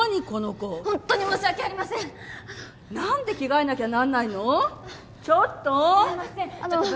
この子ホントに申し訳ありません何で着替えなきゃなんないの？